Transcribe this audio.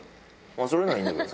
それならいいんだけどさ。